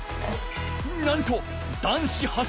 なんと男子走り